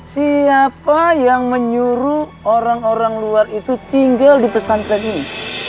siapa yang menyuruh orang orang luar itu tinggal di pesantren ini